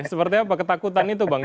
seperti apa ketakutan itu bang